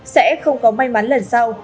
sẽ không có may mắn lần sau